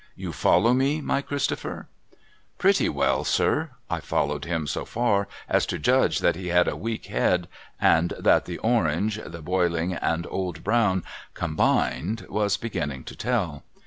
You follow me, my Christopher ?'' Pretty well, sir.' I followed him so far as to judge that he had a weak head, and that the Orange, the Boiling, and Old Brown combined was beginning to tell.